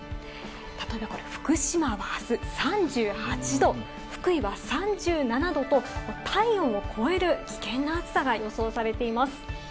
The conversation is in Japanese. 例えばこれ福島はあす３８度、福井は３７度と体温を超える危険な暑さが予想されています。